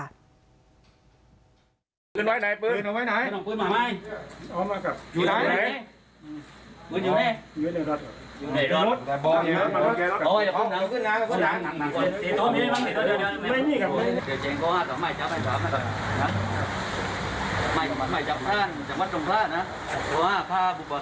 ไหนไหน